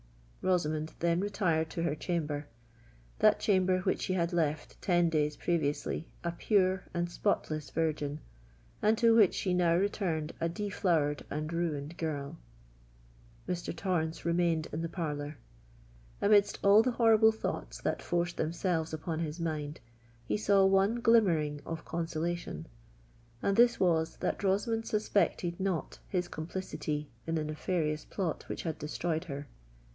Rosamond then retired to her chamber,—that chamber which she had left ten days previously a pure and spotless virgin, and to which she now returned a deflowered and ruined girl! Mr. Torrens remained in the parlour. Amidst all the horrible thoughts that forced themselves upon his mind, he saw one glimmering of consolation: and this was that Rosamond suspected not his complicity in the nefarious plot which had destroyed her.